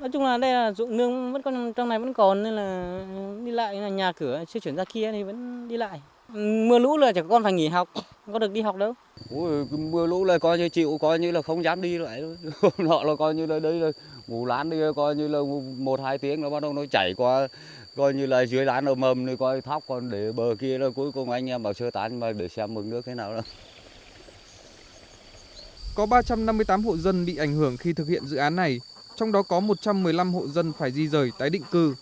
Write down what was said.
có ba trăm năm mươi tám hộ dân bị ảnh hưởng khi thực hiện dự án này trong đó có một trăm một mươi năm hộ dân phải di rời tái định cư